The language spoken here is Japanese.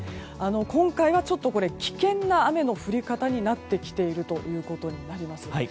今回はちょっと危険な雨の降り方になってきていることになります。